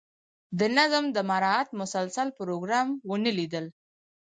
د نظم د مراعات مسلسل پروګرام ونه لیدل.